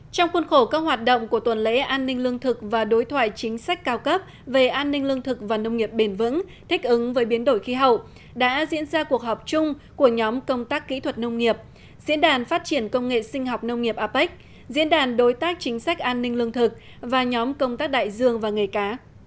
trong khuôn khổ các hoạt động của tuần lễ an ninh lương thực và đối thoại chính sách cao cấp về an ninh lương thực và nông nghiệp bền vững thích ứng với biến đổi khí hậu đã diễn ra cuộc họp chung của nhóm công tác kỹ thuật nông nghiệp diễn đàn phát triển công nghệ sinh học nông nghiệp apec diễn đàn đối tác chính sách an ninh lương thực và nhóm công tác đại dương và nghề cá